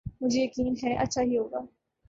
مجھے یقین ہے اچھا ہی ہو گا۔